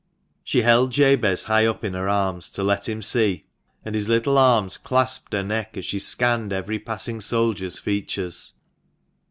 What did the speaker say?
She held Jabez high up in her arms to let him see, and his little arms clasped her neck, as she scanned every passing soldier's features.